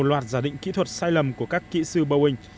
và giả định kỹ thuật sai lầm của các kỹ sư boeing